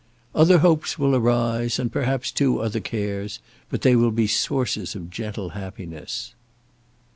"Other hopes will arise, and perhaps, too, other cares, but they will be sources of gentle happiness."